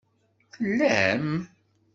Tellam?